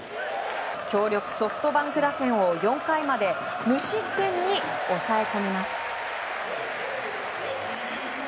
強力ソフトバンク打線を４回まで無失点に抑え込みます。